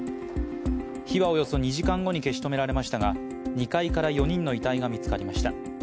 火はおよそ２時間後に消し止められましたが２階から４人の遺体が見つかりました。